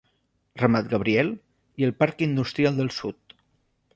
Ramat Gabriel, i el parc industrial del sud.